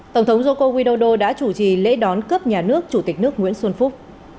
tổng thống joko widodo đã chủ trì lễ đón cấp nhà nước chủ tịch nước nguyễn xuân phúc